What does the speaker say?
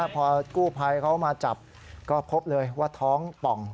พอกู้ภัยเขามาจับก็พบเลยว่าท้องป่อง